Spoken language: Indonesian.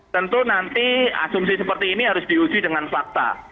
tentu nanti asumsi seperti ini harus diuji dengan fakta